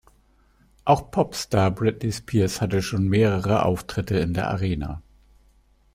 Auch Pop-Star Britney Spears hatte schon mehrere Auftritte in der Arena.